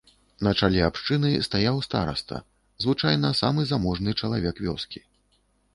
На чале абшчыны стаяў стараста, звычайна самы заможны чалавек вёскі.